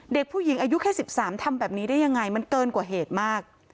เด็กผู้หญิงอายุแค่๑๓ทำแบบนี้ได้ยังไงมันเกินกว่าเหตุมาก